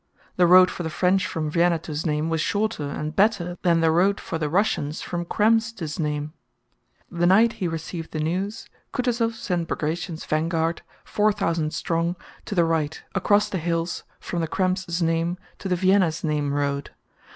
The road for the French from Vienna to Znaim was shorter and better than the road for the Russians from Krems to Znaim. The night he received the news, Kutúzov sent Bagratión's vanguard, four thousand strong, to the right across the hills from the Krems Znaim to the Vienna Znaim road.